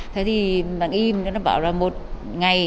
thế thì bằng im nó bảo là một ngày